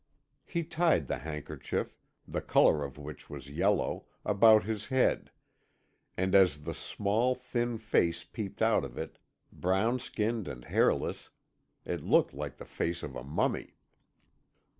He tied the handkerchief the colour of which was yellow about his head; and as the small, thin face peeped out of it, brown skinned and hairless, it looked like the face of a mummy.